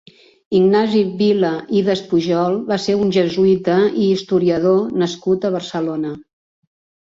Ignasi Vila i Despujol va ser un jesuïta i historiador nascut a Barcelona.